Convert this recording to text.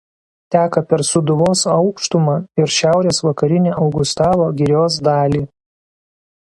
Teka per Sūduvos aukštumą ir šiaurės vakarinę Augustavo girios dalį.